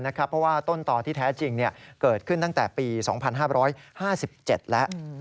เพราะว่าต้นต่อที่แท้จริงเกิดขึ้นตั้งแต่ปี๒๕๕๗แล้ว